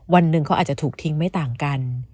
วันหนึ่งเขาอาจจะถูกทิ้งไม่ต่างกัน